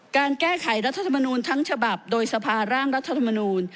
การแก้ไขรัฐธรรมนูลทั้งฉบับโดยสภาร่างรัฐธรรมนูล